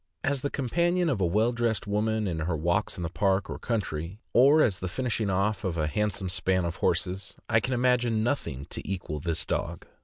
As the companion of a well dressed woman in her walks in park or country, or as the finishing off of a handsome span of horses, I can imagine nothing to equal this dog.